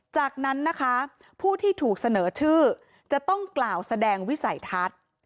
จากนั้นนะคะผู้ที่ถูกเสนอชื่อจะต้องกล่าวแสดงวิสัยทัศน์